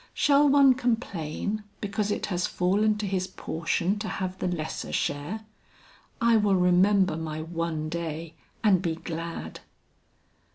Shall one complain because it has fallen to his portion to have the lesser share? I will remember my one day and be glad."